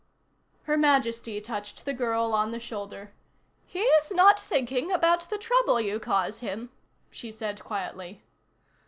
Her Majesty touched the girl on the shoulder. "He's not thinking about the trouble you cause him," she said quietly.